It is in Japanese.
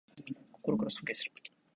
心から尊敬する